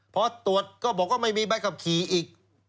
พอตรวจก็บอกว่าไม่มีใบขับขี่อีก